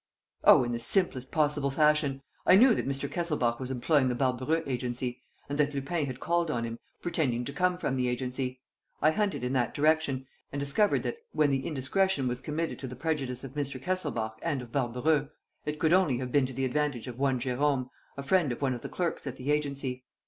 "Oh, in the simplest possible fashion. I knew that Mr. Kesselbach was employing the Barbareux agency and that Lupin had called on him, pretending to come from the agency. I hunted in that direction and discovered that, when the indiscretion was committed to the prejudice of Mr. Kesselbach and of Barbareux, it could only have been to the advantage of one Jérôme, a friend of one of the clerks at the agency.